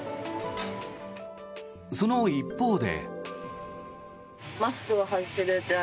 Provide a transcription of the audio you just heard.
その一方で。